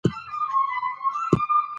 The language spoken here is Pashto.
خپل ځان هم سالم ساتي.